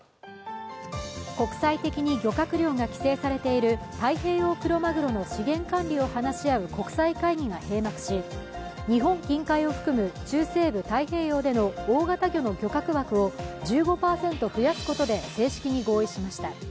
国際的に漁獲量が規制されている太平洋クロマグロの資源管理を話し合う国際会議が閉幕し日本近海を含む中西部太平洋での大型魚の漁獲枠を１５％増やすことで正式に合意しました。